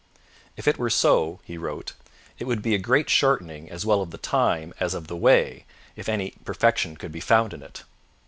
'If it were so,' he wrote, 'it would be a great shortening as well of the time as of the way, if any perfection could be found in it.'